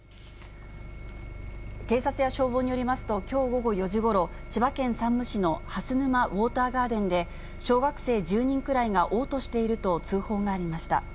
警察や消防によりますと、きょう午後４時ごろ、千葉県山武市の蓮沼ウォーターガーデンで、小学生１０人くらいがおう吐していると通報がありました。